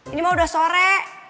ini mah udah sore